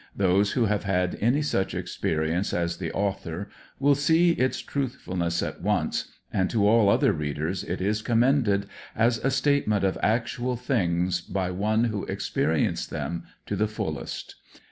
Those who have had any such experience as the author will see its truth fulness at once, and to all other readers it is commended as a state ment of actual things by one who experienced them to the fullest.